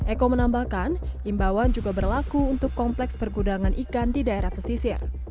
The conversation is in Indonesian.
eko menambahkan imbauan juga berlaku untuk kompleks pergudangan ikan di daerah pesisir